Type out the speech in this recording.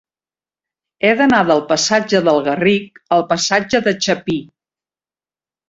He d'anar del passatge del Garric al passatge de Chapí.